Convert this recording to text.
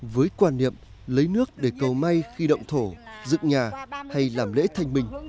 với quan niệm lấy nước để cầu may khi động thổ dựng nhà hay làm lễ thanh minh